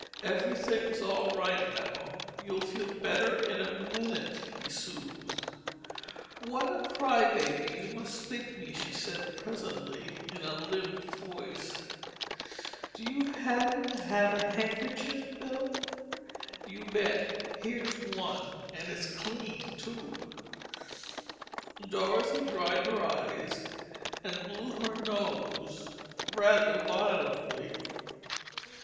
Everything's all right now. You'll feel better in a minute," he soothed. "What a crybaby you must think me," she said presently, in a limp voice. "Do you happen to have a handkerchief, Bill?" "You bet. Here's one—and it's clean, too." Dorothy dried her eyes and blew her nose rather violently.